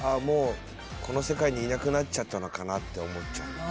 もうこの世界にいなくなっちゃったのかなって思っちゃう。